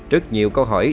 rất nhiều câu hỏi